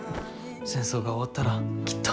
戦争が終わったらきっと。